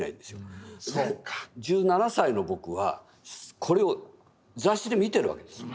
１７歳の僕はこれを雑誌で見てるわけです。